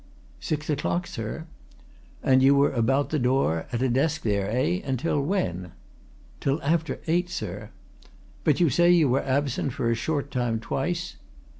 "Six o'clock, sir." "And you were about the door at a desk there, eh? until when?" "Till after eight, sir." "But you say you were absent for a short time, twice?"